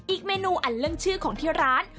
เมนูอันเรื่องชื่อของที่ร้าน